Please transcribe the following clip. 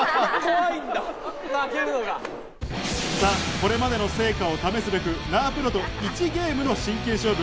これまでの成果を試すべく、名和プロと１ゲームの真剣勝負。